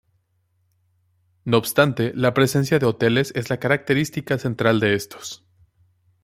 No obstante, la presencia de hoteles es la característica central de estos.